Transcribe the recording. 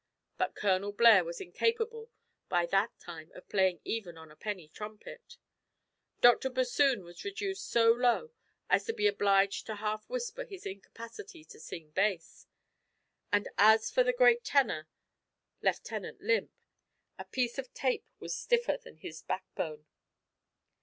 But Colonel Blare was incapable by that time of playing even on a penny trumpet. Dr Bassoon was reduced so low as to be obliged to half whisper his incapacity to sing bass, and as for the great tenor, Lieutenant Limp a piece of tape was stiffer than his backbone.